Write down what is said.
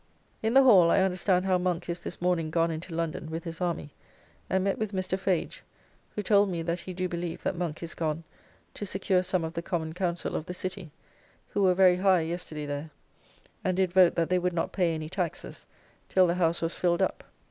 In the Hall I understand how Monk is this morning gone into London with his army; and met with Mr. Fage, who told me that he do believe that Monk is gone to secure some of the Common council of the City, who were very high yesterday there, and did vote that they would not pay any taxes till the House was filled up.